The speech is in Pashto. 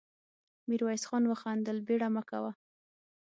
ميرويس خان وخندل: بېړه مه کوه.